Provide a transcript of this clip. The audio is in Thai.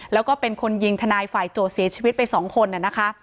แล้วก็เป็นคนยิงทนายฝ่ายโจทย์เสียชีวิตไป๒คนนะคะ